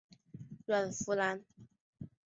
阮福澜。